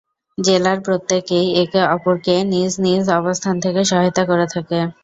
জেলার প্রত্যেকেই একে অপরকে নিজ নিজ অবস্থান থেকে সহায়তা করে থাকে।